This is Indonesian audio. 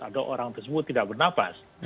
ada orang tersebut tidak bernafas